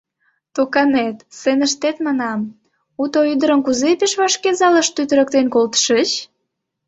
— Токанет, сценыштет, манам, уто ӱдырым кузе пеш вашке залыш тӱтырыктен колтышыч?